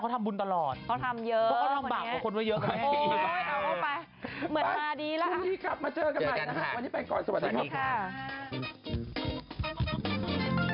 โน้ทพี่ป่อนดำไม่จ่ายเงินเขาจริงเหรอ